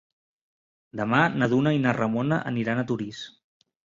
Demà na Duna i na Ramona aniran a Torís.